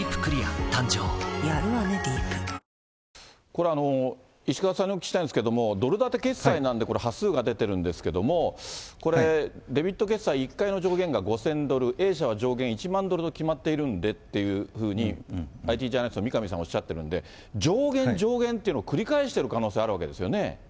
これ、石川さんにお聞きしたいんですけれども、ドル建て決済なんで、これ、端数が出てるんですけど、これデビット決済、１回の上限が５０００ドル、Ａ社は上限１万ドルと決まっているんでっていうふうに、ＩＴジャーナリストの三上さんがおっしゃってますんで、上限、上限というのを繰り返してる可能性あるわけですよね。